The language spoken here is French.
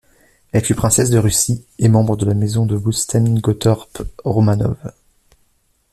Elle fut princesse de Russie et membre de la Maison de Holstein-Gottorp-Romanov.